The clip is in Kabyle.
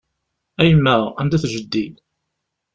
A yemma, anda-t jeddi?